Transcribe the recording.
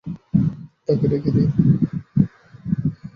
তাকে ডেকে দিই।